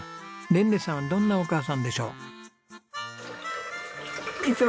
レンネさんはどんなお母さんでしょう？